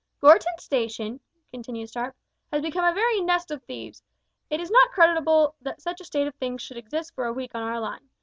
"Gorton station," continued Sharp, "has become a very nest of thieves. It is not creditable that such a state of things should exist for a week on our line.